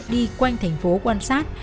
đi quanh thành phố quan sát